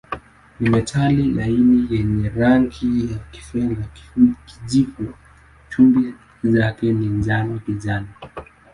Ni metali laini yenye rangi ya kifedha-kijivu, chumvi zake ni njano-kijani.